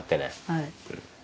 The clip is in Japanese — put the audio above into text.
はい。